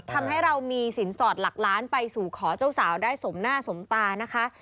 ทำให้เรามีสินสอดหลักล้านไปสู่ขอเจ้าสาวได้สมหน้าสมตานะคะ